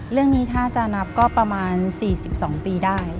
เรื่องนี้ถ้าจะนับก็ประมาณ๔๒ปีได้